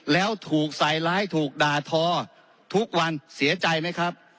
แล้วถูกใส่ร้ายถูกด่าทอทุกวันเสียใจไหมครับ